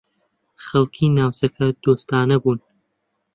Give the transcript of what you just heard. خەڵکی ناوچەکە دۆستانە بوون.